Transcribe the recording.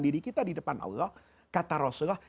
diri kita di depan allah kata rasulullah